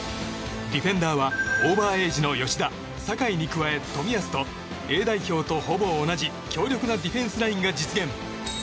ディフェンダーはオーバーエージの吉田酒井に加え、冨安とＡ代表とほぼ同じ、強力なディフェンスラインが実現。